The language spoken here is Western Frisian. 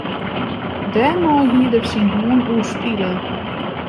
Dêrmei hied er syn hân oerspile.